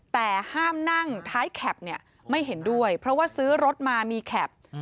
แต่ห้ามนั่งท้ายแคปเนี่ยไม่เห็นด้วยเพราะว่าซื้อรถมามีแคป